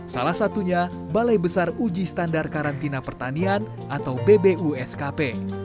salah satunya balai besar uji standar karantina pertanian atau bbuskp